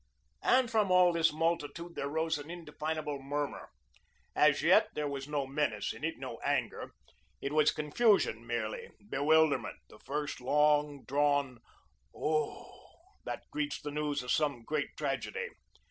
And from all this multitude there rose an indefinable murmur. As yet, there was no menace in it, no anger. It was confusion merely, bewilderment, the first long drawn "oh!" that greets the news of some great tragedy.